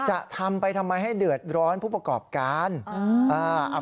จะทำไปทำไมให้เดือดร้อนผู้ประกอบการ